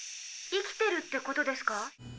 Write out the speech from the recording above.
「生きてる」ってことですか？